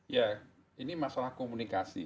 ya ini masalah komunikasi